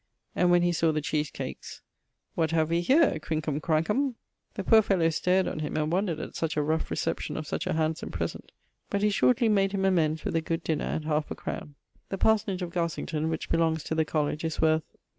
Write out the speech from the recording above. and when he saw the cheese cakes: 'What have we here, crinkum, crankum?' The poor fellow stared on him, and wondered at such a rough reception of such a handsome present; but he shortly made him amends with a good dinner and halfe a crowne. The parsonage of Garsington (which belongs to the college) is worth